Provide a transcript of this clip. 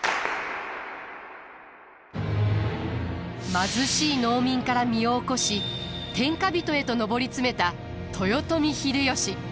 貧しい農民から身を起こし天下人へと上り詰めた豊臣秀吉。